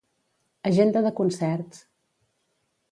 Agenda de concerts.